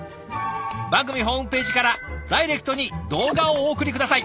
番組ホームページからダイレクトに動画をお送り下さい。